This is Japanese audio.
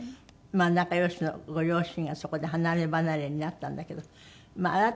まあ仲良しのご両親がそこで離ればなれになったんだけどまあ